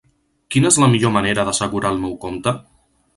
Quina és la millor manera d'assegurar el meu compte?